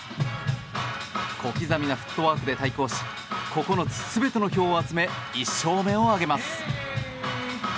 小刻みなフットワークで対抗し９つ全ての票を集め１勝目を挙げます。